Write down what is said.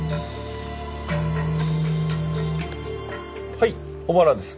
はい小原です。